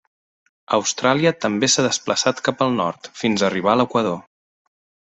Austràlia també s'ha desplaçat cap al nord, fins a arribar a l'equador.